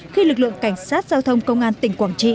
khi lực lượng cảnh sát giao thông công an tỉnh quảng trị